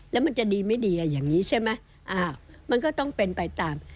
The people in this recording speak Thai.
แล้วมันจะดีไม่ดีอย่างนี้ใช่ไหมมันก็ต้องเป็นไปตาม